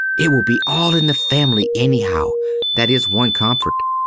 It will be all in the family anyhow that is one comfort.